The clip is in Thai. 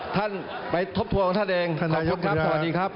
ท่านไปทบทัวของท่านเองขอบคุณครับสวัสดีครับ